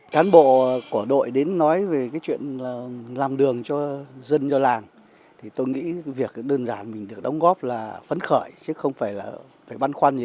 cán bộ của đội đến nói về cái chuyện làm đường cho dân cho làng thì tôi nghĩ việc đơn giản mình được đóng góp là phấn khởi chứ không phải là phải băn khoăn gì